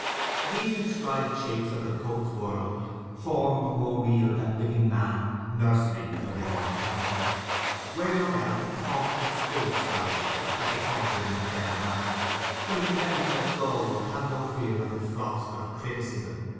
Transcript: These inscribed shapes of the poet's world, 'Forms more real than living man, Nurslings of immortality,' were, no doubt, the thoughts and spirit strivings which had come to him in the dead of night, when he could let himself go and have no fear of the frost of criticism.